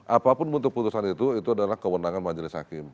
apapun bentuk putusan itu itu adalah kewenangan majelis hakim